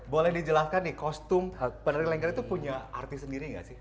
boleh dijelaskan nih kostum peneri lengger itu punya arti sendiri nggak sih